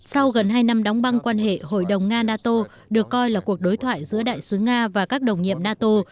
sau gần hai năm đóng băng quan hệ hội đồng nga nato được coi là cuộc đối thoại giữa đại sứ nga và các đồng nhiệm nato